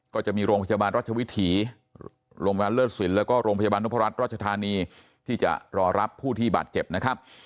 ก็จะมีโรงพยาบาลรัชวิถีโรงพยาบาลเลิศสินแล้วก็โรงพยาบาลนพรัชราชธานีที่จะรอรับผู้ที่บาดเจ็บนะครับ